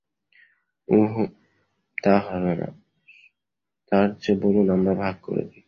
উঁহু তা হবেনা, তারচেয়ে চলুন আমরা ভাগ করে দিই।